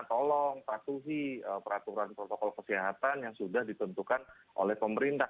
tolong patuhi peraturan protokol kesehatan yang sudah ditentukan oleh pemerintah